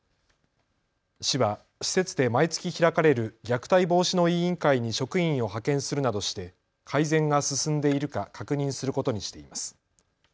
市は施設で毎月開かれる虐待防止の委員会に職員を派遣するなどして改善が進んでいるか確認することにしています。